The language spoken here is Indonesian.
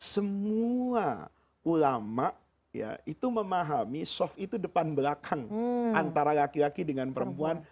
semua ulama ya itu memahami soft itu depan belakang antara laki laki dengan perempuan